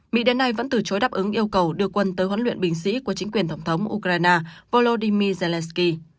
mỹ đến nay vẫn từ chối đáp ứng yêu cầu đưa quân tới huấn luyện bình sĩ của chính quyền tổng thống ukraine volodymyr zelensky